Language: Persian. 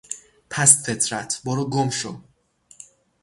پست فطرت، بروگمشو!